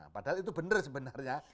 padahal itu benar sebenarnya